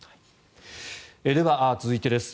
では、続いてです。